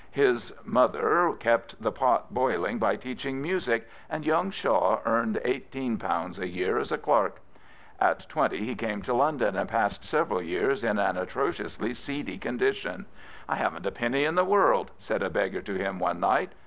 His mother kept the pot boiling by teaching music, and young SEaw earned |i 8 a year as a clerk. At twenty he came to Lmd^ and passed several years in an atrociously "Ifee^ condition. " I haven't a penny in the world," said a beggar to him one night.